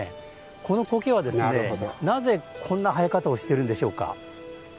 この苔はですねなぜ、こんな生え方をしているんでしょうか。